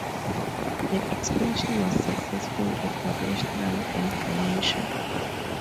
The expansion was successful operationally and financially.